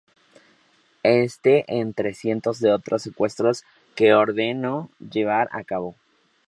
Este entre cientos de otras secuestros que ordenó llevar a cabo.